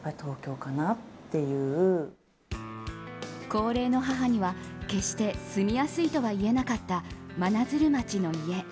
高齢の母には、決して住みやすいとはいえなかった真鶴町の家。